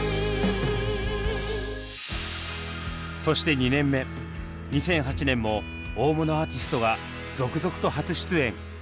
そして２年目２００８年も大物アーティストが続々と初出演。